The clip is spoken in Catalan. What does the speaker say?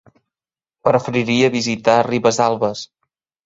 Preferiria visitar Ribesalbes.